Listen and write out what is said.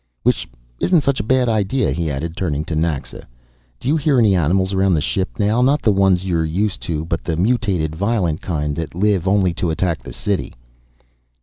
"Which isn't such a bad idea at that," he added, turning to Naxa. "Do you hear any animals around the ship now? Not the ones you're used to, but the mutated, violent kind that live only to attack the city."